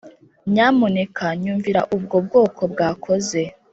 Nyamuneka nyumvira Ubwo bwoko bwakoze.